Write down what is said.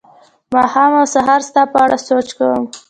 ماښام او سهار ستا په اړه سوچ کوم